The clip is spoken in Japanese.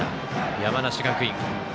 山梨学院。